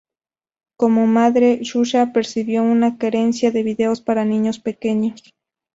Como madre, Xuxa percibió una carencia de videos para niños pequeños.